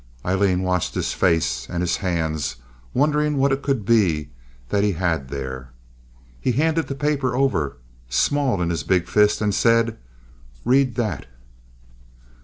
Aileen watched his face and his hands, wondering what it could be that he had here. He handed the paper over, small in his big fist, and said, "Read that."